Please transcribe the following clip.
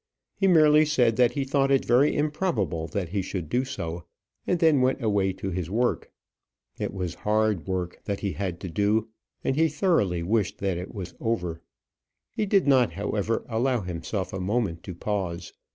He merely said that he thought it very improbable that he should do so, and then went away to his work. It was hard work that he had to do, and he thoroughly wished that it was over. He did not however allow himself a moment to pause.